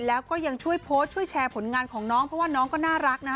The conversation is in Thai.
แล้วก็ยังช่วยโพสต์ช่วยแชร์ผลงานของน้องเพราะว่าน้องก็น่ารักนะ